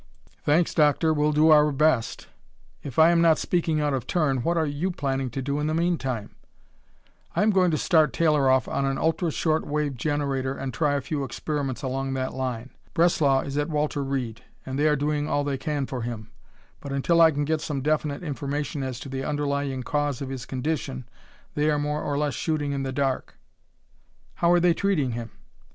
"Thanks, Doctor, we'll do our best. If I am not speaking out of turn, what are you planning to do in the mean time?" "I am going to start Taylor off on an ultra short wave generator and try a few experiments along that line. Breslau is at Walter Reed and they are doing all they can for him, but until I can get some definite information as to the underlying cause of his condition, they are more or less shooting in the dark." "How are they treating him?"